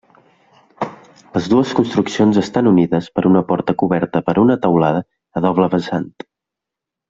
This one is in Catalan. Les dues construccions estan unides per una porta coberta per una teulada a doble vessant.